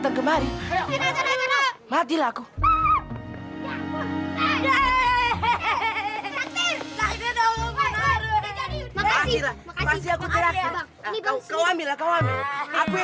nah kamu saling di sponsor kursusnya